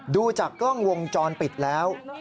ดูจากกล้องวงจรปิดแล้ว